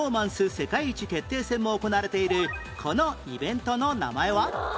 世界一決定戦も行われているこのイベントの名前は？